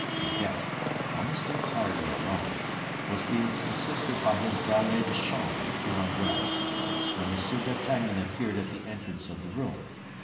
Fouquet, almost entirely alone, was being assisted by his valet de chambre to undress, when M. d'Artagnan appeared at the entrance of the room.